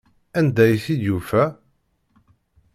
Anda ay t-id-yufa?